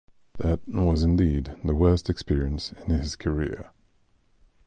That was indeed the worst experience in his career.